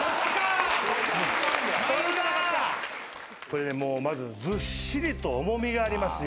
これねもうまずずっしりと重みがありますよ。